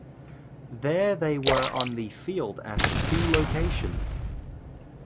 There they were on the field at two locations.